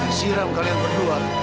disiram kalian berdua